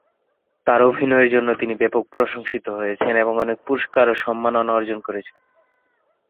তাঁর অভিনয়ের জন্য তিনি ব্যাপক প্রশংসিত হয়েছেন এবং অনেক পুরস্কার ও সম্মাননা অর্জন করেন।